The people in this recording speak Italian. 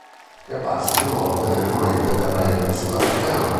È apparso più volte nelle monete del rand sudafricano.